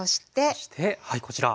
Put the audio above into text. そしてはいこちら。